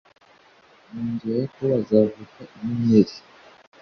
mu nzu ya yakobo hazavuka inyenyeri.